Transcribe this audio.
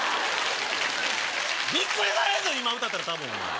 ビックリされるぞ今歌ったら多分お前。